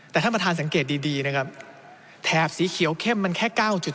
แต่ท่านประธานสังเกตดีนะครับแถบสีเขียวเข้มมันแค่๙๓